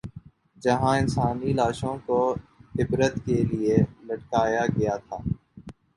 جہاں انسانی لاشوں کو عبرت کے لیے لٹکایا گیا تھا۔